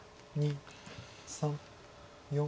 ３４。